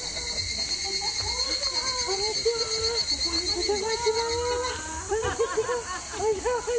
お邪魔します。